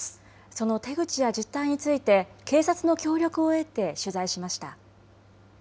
その手口や実態について警察の協力を得て取材しました。